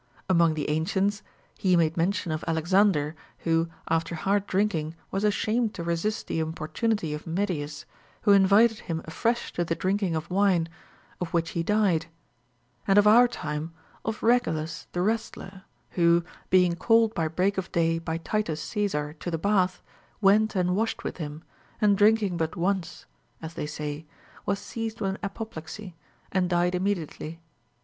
Among the ancients, he made mention of Alex ander, who after hard drinking was ashamed to resist the importiuiity of INIedius, λυΙιο invited him afresh to the drinking of wine, of which he died ; and of our time, of Regulus the wrestler, who, being called by break of day by Titus Caesar to the bath, went and washed Avith him, and drinking but once (as they say) was seized with an apoplexy, and died immediately.